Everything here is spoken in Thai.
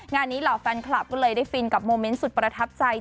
งานนี้เหล่าแฟนคลับก็เลยได้ฟินกับโมเมนต์สุดประทับใจ